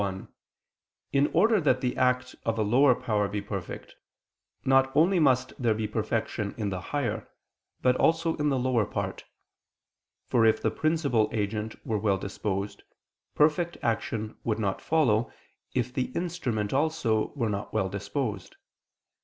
1: In order that the act of a lower power be perfect, not only must there be perfection in the higher, but also in the lower power: for if the principal agent were well disposed, perfect action would not follow, if the instrument also were not well disposed.